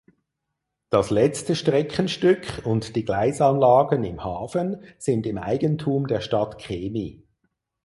Das letzte Streckenstück und die Gleisanlagen im Hafen sind im Eigentum der Stadt Kemi.